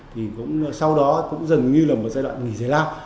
thì sau đó cũng dần như là một giai đoạn nghỉ giới lao